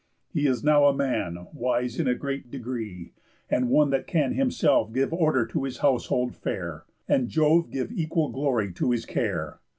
He is now a man Wise in a great degree, and one that can Himself give order to his household fare; And Jove give equal glory to his care.